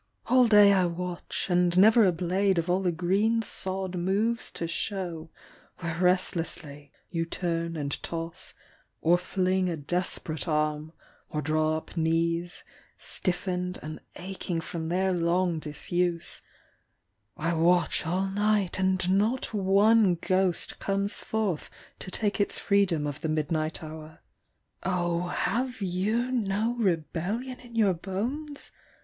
All day I watch And never a blade of all the green sod moves To show where restlessly you turn and toss, Or fling a desperate arm or draw up knees Stiffened and aching from their long disuse; I watch all night and not one ghost comes forth To take its freedom of the midnight hour. Oh, have you no rebellion in your bones?